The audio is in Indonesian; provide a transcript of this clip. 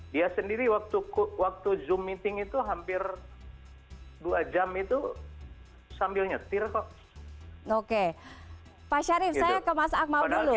kita lihat aja untuk sesuatunya ya memang mungkin